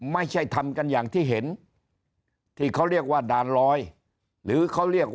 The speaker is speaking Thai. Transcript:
ไม่ใช่ทำกันอย่างที่เห็นที่เขาเรียกว่าด่านลอยหรือเขาเรียก